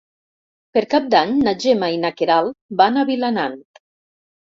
Per Cap d'Any na Gemma i na Queralt van a Vilanant.